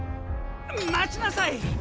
待ちなさい！